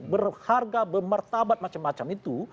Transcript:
berharga bermertabat macam macam itu